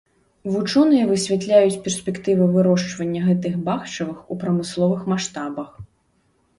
Вучоныя высвятляюць перспектывы вырошчвання гэтых бахчавых у прамысловых маштабах.